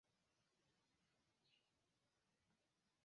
Liaj verkoj estis verŝajne konfiskitaj de komunistaj instancoj.